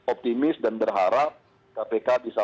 optimis dan berharap kpk bisa